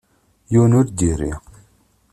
Yiwen ur d-yerri.